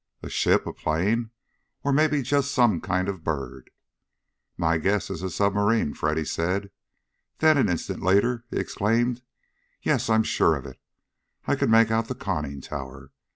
"A ship, a plane, or maybe just some kind of a bird?" "My guess is a submarine," Freddy said. Then, an instant later, he exclaimed, "Yes, I'm sure of it! I can make out the conning tower.